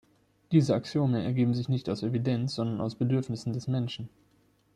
Diese Axiome ergeben sich nicht aus Evidenz, sondern aus Bedürfnissen des Menschen.